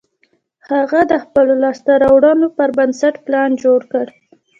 هغه د خپلو لاسته رواړنو پر بنسټ پلان جوړ کړ